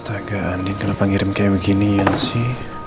astaga andien kenapa ngirim kayak beginian sih